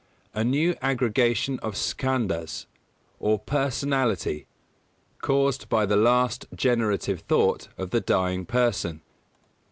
A new aggregation of Skandhas, or personality caused by the last generative thought of the dying person.